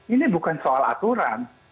ini bukan soal aturan